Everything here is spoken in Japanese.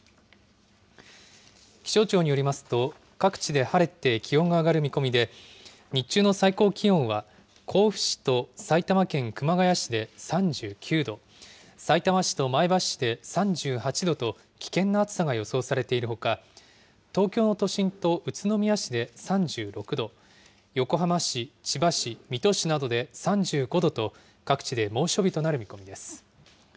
気象庁によりますと、各地で晴れて気温が上がる見込みで、日中の最高気温は甲府市と埼玉県熊谷市で３９度、さいたま市と前橋市で３８度と、危険な暑さが予想されているほか、東京の都心と宇都宮市で３６度、横浜市、千葉市、水戸市などで３５度と、各地で猛暑日となる見込みです。